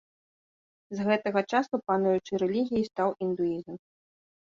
З гэтага часу пануючай рэлігіяй стаў індуізм.